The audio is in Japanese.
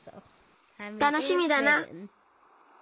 たのしみだな。